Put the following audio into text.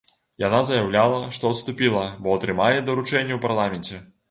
Яна заяўляла, што адступіла, бо атрымалі даручэнне ў парламенце.